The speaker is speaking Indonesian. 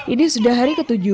ini sudah hari ketujuh